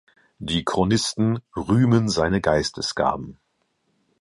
Die Chronisten rühmen seine Geistesgaben.